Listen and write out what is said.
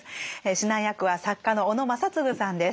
指南役は作家の小野正嗣さんです。